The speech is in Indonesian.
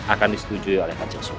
akan disetujui oleh kanca sultan